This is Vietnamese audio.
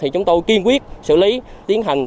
chúng tôi kiên quyết xử lý tiến hành